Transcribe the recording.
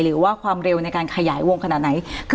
หรือว่าความเร็วในการขยายวงขนาดไหน